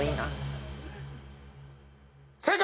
正解！